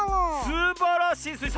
すばらしいスイさん！